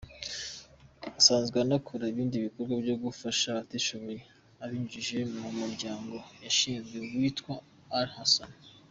Asanzwe anakora ibindi bikorwa byo gufasha abatishoboye abinyujije mu muryango yashinzwe witwa Al Ihsan.